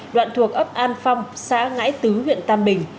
đoạn thuộc ấp an phong xã ngãi tứ huyện tam bình